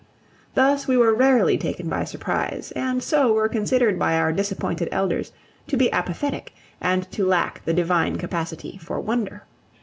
Thus we were rarely taken by surprise, and so were considered by our disappointed elders to be apathetic and to lack the divine capacity for wonder.